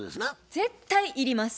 絶対いります。